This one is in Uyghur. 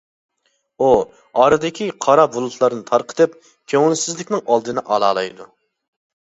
ئۇ، ئارىدىكى قارا بۇلۇتلارنى تارقىتىپ، كۆڭۈلسىزلىكنىڭ ئالدىنى ئالالايدۇ.